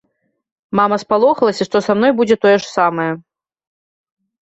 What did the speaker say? Мама спалохалася, што са мной будзе тое ж самае.